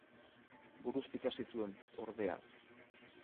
Buruz ikasi zuen, ordea.